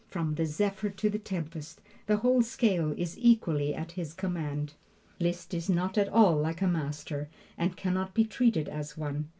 From the zephyr to the tempest, the whole scale is equally at his command. Liszt is not at all like a master, and can not be treated as one.